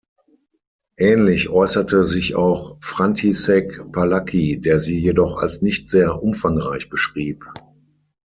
Ähnlich äußerte sich auch František Palacký, der sie jedoch als nicht sehr umfangreich beschrieb.